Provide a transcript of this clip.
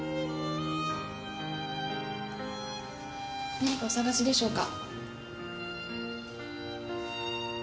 何かお探しでしょうか？